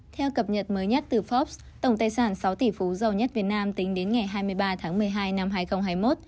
theo cập nhật mới nhất từ fox tổng tài sản sáu tỷ phú giàu nhất việt nam tính đến ngày hai mươi ba tháng một mươi hai năm hai nghìn hai mươi một